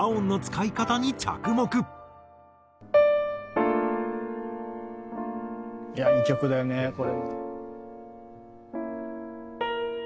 「いい曲だよねこれ」